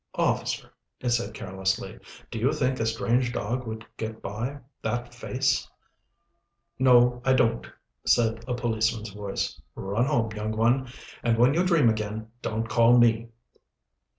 "Officer," it said carelessly, "do you think a strange dog would get by that face?" "No I don't," said a policeman's voice. "Run home, young one, and when you dream again, don't call me."